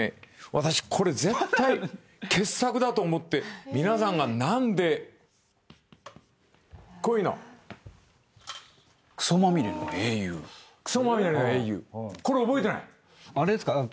私これ絶対傑作だと思って皆さんがなんでこういうの「クソまみれの英雄」これ覚えてない？